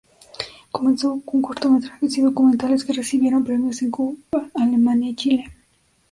Comenzó con cortometrajes y documentales que recibieron premios en Cuba, Alemania y Chile.